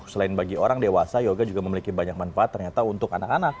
selain bagi orang dewasa yoga juga memiliki banyak manfaat ternyata untuk anak anak